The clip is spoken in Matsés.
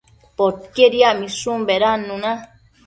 Poquied yacmishun bedannuna